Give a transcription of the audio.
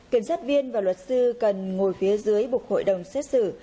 kiểm sát viên và luật sư cần ngồi phía dưới bục hội đồng xét xử